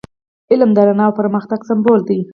علم د رڼا او پرمختګ سمبول دی.